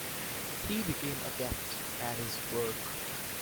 He became adept at his work.